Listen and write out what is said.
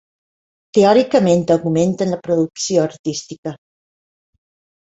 Teòricament augmenten la producció artística.